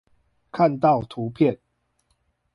看到圖片